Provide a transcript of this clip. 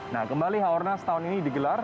nah kembali h o r n a s tahun ini digelar